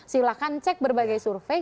silahkan cek berbagai survei